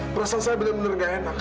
perasaan saya benar benar gak enak